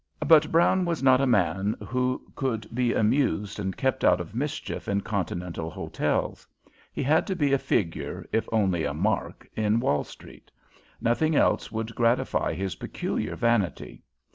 But Brown was not a man who could be amused and kept out of mischief in Continental hotels. He had to be a figure, if only a "mark," in Wall street. Nothing else would gratify his peculiar vanity.